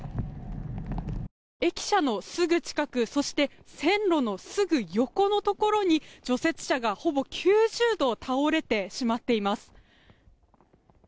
駅舎のすぐ近くそして線路のすぐ横のところに除雪車がほぼ９０度倒れてしまっています。